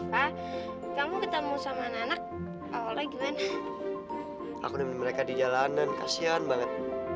pak kamu ketemu sama anak anak oleh gimana aku mereka di jalanan kasihan banget